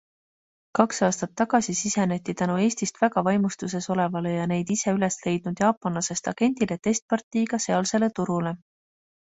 Kaks aastat tagasi siseneti tänu Eestist väga vaimustuses olevale ja neid ise üles leidnud jaapanlasest agendile testpartiiga sealsele turule.